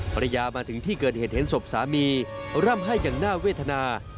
มาถึงที่เกิดเหตุเห็นศพสามีร่ำให้อย่างน่าเวทนา